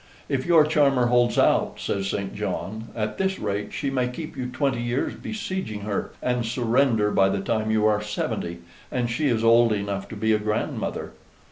"If your charmer holds out," says St. John, "at this rate she may keep you twenty years besieging her, and surrender by the time you are seventy, and she is old enough to be a grandmother.